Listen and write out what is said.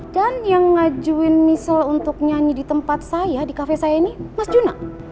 dan yang ngajuin michelle untuk nyanyi di tempat saya di cafe saya ini mas juna